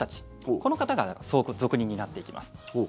この方が相続人になっていきます。